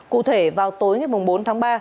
cụ thể vào tối ngày bốn tháng ba